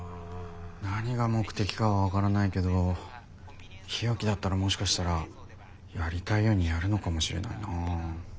何が目的かは分からないけど日置だったらもしかしたらやりたいようにやるのかもしれないな。